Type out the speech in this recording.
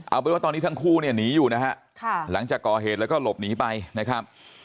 เอาเป็นว่าตอนนี้ทั้งคู่เนี่ยหนีอยู่นะฮะหลังจากก่อเหตุแล้วก็หลบหนีไปนะครับ